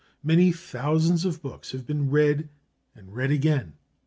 Many thousands of books have been read and read again.